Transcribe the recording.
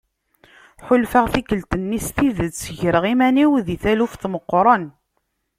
Ḥulfaɣ tikkelt-nni s tidet greɣ iman-iw di taluft meqqren.